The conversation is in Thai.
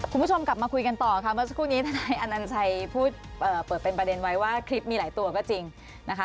คุณผู้ชมกลับมาคุยกันต่อค่ะเมื่อสักครู่นี้ทนายอนัญชัยพูดเปิดเป็นประเด็นไว้ว่าคลิปมีหลายตัวก็จริงนะคะ